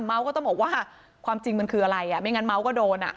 เมาส์ก็ต้องบอกว่าความจริงมันคืออะไรไม่งั้นเมาส์ก็โดน